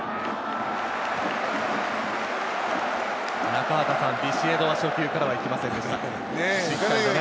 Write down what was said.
中畑さん、ビシエドは初球からは行きませんでした。